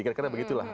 karena begitu lah